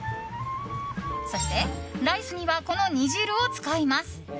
そして、ライスにはこの煮汁を使います。